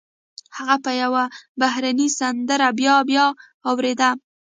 هغه به يوه بهرنۍ سندره بيا بيا اورېده.